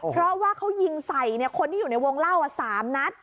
เพราะว่าเขายิงใส่คนที่อยู่ในวงเล่า๓นัด